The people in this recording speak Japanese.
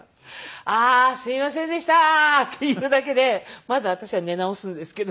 「ああーすいませんでした」って言うだけでまた私は寝直すんですけど。